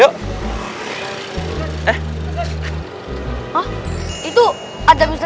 ya allah mister